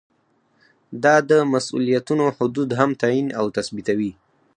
دا د مسؤلیتونو حدود هم تعین او تثبیتوي.